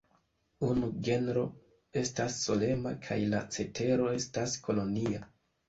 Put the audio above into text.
Unu genro estas solema kaj la cetero estas kolonia.